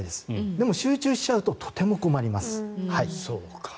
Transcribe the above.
でも集中しちゃうととても困ります。